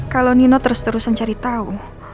kalo nino terus terusan cari tau